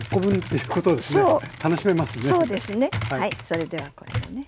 それではこれもね